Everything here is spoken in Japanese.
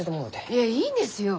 いえいいんですよ。